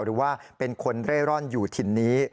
หรือว่าเป็นคนเร่ร่อนอยู่ถิ่นนี้